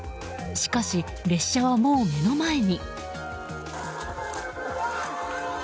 しかし、列車はもう目の前に。